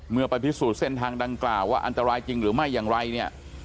ไปพิสูจน์เส้นทางดังกล่าวว่าอันตรายจริงหรือไม่อย่างไรเนี่ย